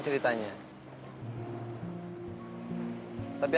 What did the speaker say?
jadi ko perlu ganti